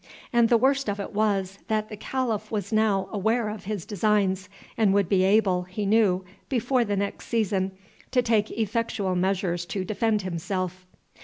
And the worst of it was, that the calif was now aware of his designs, and would be able, he knew, before the next season, to take effectual measures to defend himself.